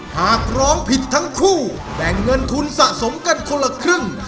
หากร้องผิดทั้งคู่แบ่งเงินทุนสะสมกันคนละครึ่ง